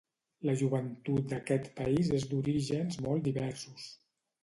La joventut d'aquest país és d'orígens molt diversos.